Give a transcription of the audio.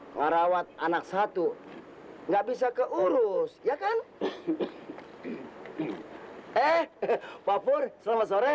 merawat anak satu nggak bisa keurus ya kan eh papur selamat sore